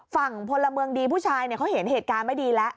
ฝั่งพลเมืองดีผู้ชายเขาเห็นเหตุการณ์ไม่ดีแล้ว